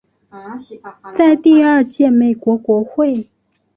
在第二届美国国会。